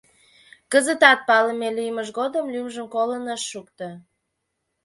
Кызытат палыме лиймыж годым лӱмжым колын ыш шукто.